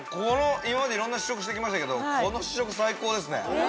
今までいろんな試食しましたけどこの試食最高ですね。